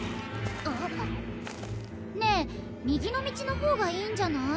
ねえ右の道の方がいいんじゃない？